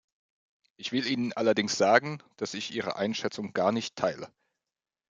Ich will Ihnen allerdings sagen, dass ich Ihre Einschätzung gar nicht teile.